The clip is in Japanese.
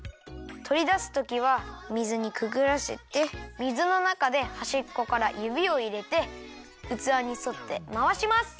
とりだすときは水にくぐらせて水のなかではしっこからゆびをいれてうつわにそってまわします。